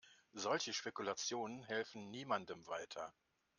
Solche Spekulationen helfen niemandem weiter.